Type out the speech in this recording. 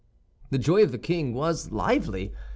The joy of the king was lively.